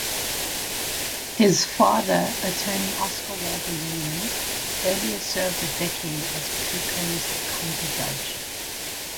His father, attorney Oscar Waldo Williams, earlier served a decade as Pecos county judge.